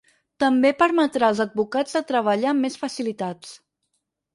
També permetrà als advocats de treballar amb més facilitats.